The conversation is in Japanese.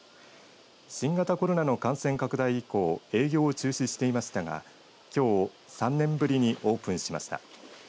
新型コロナの感染拡大以降営業を中止していましたがきょう３年ぶりにオープンしました。